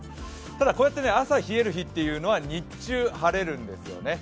ただこうやって朝冷える日というのは日中、晴れるんですよね。